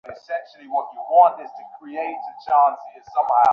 তবে বাবার ভয়কে পাশ কাটিয়ে লাইলি ঠিকই খুঁজে নিয়েছে তার প্রেমিক মঈনকে।